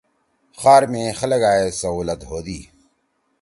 خار می خلگائے سہولت ہودی۔